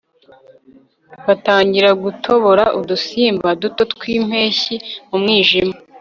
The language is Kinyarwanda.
Batangira gutobora udusimba duto twimpeshyi mu mwijima